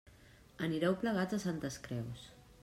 Anireu plegats a Santes Creus.